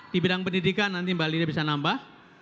di bidang pendidikan nanti mbak lili bisa nambah